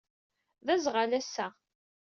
D azɣal ass-a